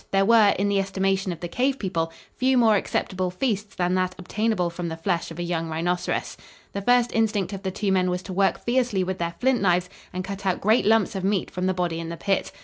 There were, in the estimation of the cave people, few more acceptable feasts than that obtainable from the flesh of a young rhinoceros. The first instinct of the two men was to work fiercely with their flint knives and cut out great lumps of meat from the body in the pit.